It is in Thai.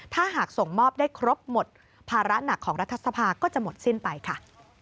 ถ้าหากส่งมอบได้ครบหมดภาระหนักของรัฐสภาก็จะหมดสิ้นไปค่ะ